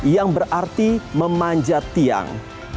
yang berarti memanjat tiang